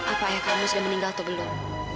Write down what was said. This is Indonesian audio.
apa ayah kamu sudah meninggal atau belum